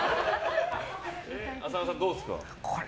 浅野さん、どうですか？